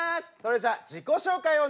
それじゃあ自己紹介